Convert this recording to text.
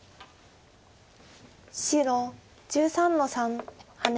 白１３の三ハネ。